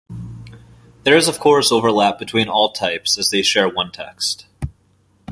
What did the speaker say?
There is of course overlap between all types as they share one text.